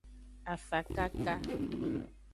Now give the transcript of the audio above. Afakaka.